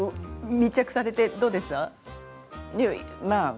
密着されてどうでしたか。